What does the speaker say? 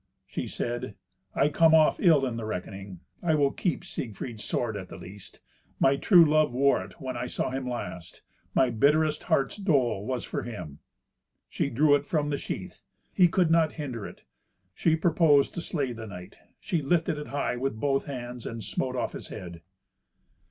She said, "I come off ill in the reckoning. I will keep Siegfried's sword at the least. My true love wore it when I saw him last. My bitterest heart's dole was for him." She drew it from the sheath. He could not hinder it. She purposed to slay the knight. She lifted it high with both hands, and smote off his head.